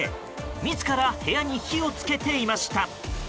自ら部屋に火を付けていました。